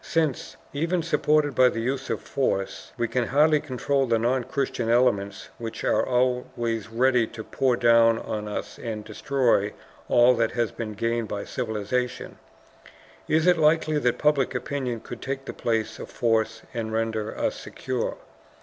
"Since, even supported by the use of force, we can hardly control the non Christian elements which are always ready to pour down on us and to destroy all that has been gained by civilization, is it likely that public opinion could take the place of force and render us secure?